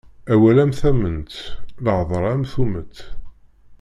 Awal am tamment, lhedṛa am tummeṭ.